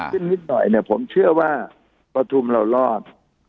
ขึ้นนิดหน่อยผมเชื่อว่าประทุมเรารอด